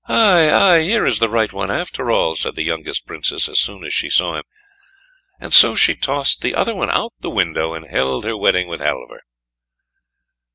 "Aye, aye, here is the right one after all," said the youngest Princess as soon as she saw him, and so she tossed the other one out of the window, and held her wedding with Halvor.